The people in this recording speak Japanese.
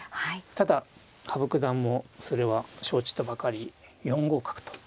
ただ羽生九段もそれは承知とばかり４五角と。